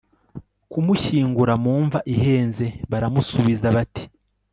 ku mushyingura mu mva ihenze Baramusubiza bati